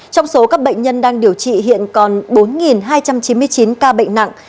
trong số các bệnh nhân đang điều trị hiện còn bốn hai trăm chín mươi chín ca bệnh nặng